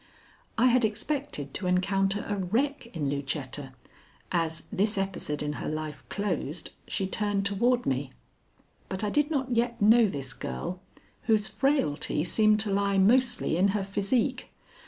I had expected to encounter a wreck in Lucetta, as, this episode in her life closed, she turned toward me. But I did not yet know this girl, whose frailty seemed to lie mostly in her physique.